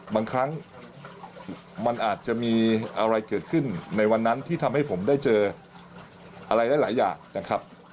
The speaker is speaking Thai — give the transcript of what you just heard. บางครั้งมันอาจจะมีอะไรเกิดขึ้นในวันนั้นที่ทำให้ผมได้เจออะไรหลายอย่างนะครับ